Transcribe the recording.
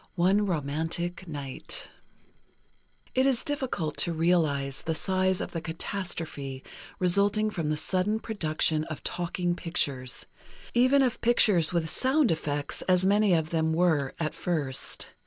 XIII "ONE ROMANTIC NIGHT" It is difficult to realize the size of the catastrophe resulting from the sudden production of talking pictures, even of pictures with "sound effects," as many of them were, at first.